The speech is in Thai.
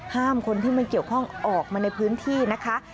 ห้ามคนที่ไม่เกี่ยวข้องออกมาในพื้นที่นะคะ